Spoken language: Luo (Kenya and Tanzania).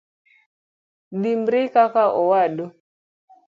Dimbri kaka owadu.